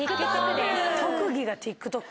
特技がＴｉｋＴｏｋ。